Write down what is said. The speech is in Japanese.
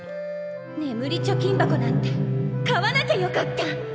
眠り貯金箱なんて買わなきゃよかった！